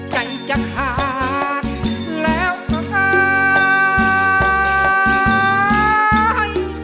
ใจจะขาดแล้วก็หาย